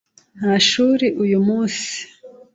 Nta shuri uyu munsi.